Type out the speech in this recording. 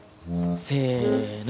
せの。